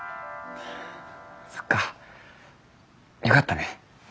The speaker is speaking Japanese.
そっかよかったね。